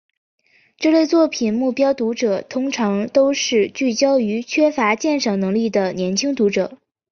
这类作品目标读者通常都是聚焦于缺乏鉴赏能力的年轻读者。